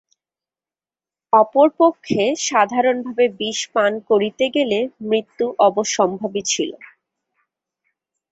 অপর পক্ষে সাধারণভাবে বিষ পান করিতে গেলে মৃত্যু অবশ্যম্ভাবী ছিল।